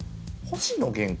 星野源か。